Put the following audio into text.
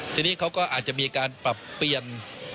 ทีนี้เขาก็อาจจะมีการปรับเปลี่ยน